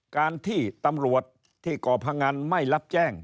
การที่ตำรวจที่ก่อพงันไม่รับแจ้ง